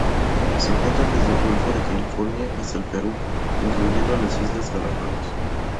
Se encuentra desde el golfo de California hasta el Perú, incluyendo las islas Galápagos.